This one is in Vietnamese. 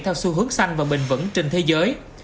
theo xu hướng xanh và bình vẫn trên thế giới